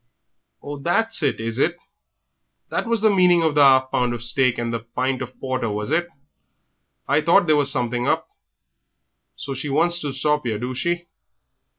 "Ah, that's it, is it? That was the meaning of the 'alf pound of steak and the pint of porter, was it. I thought there was something hup. So she wants to stop 'ere, do she?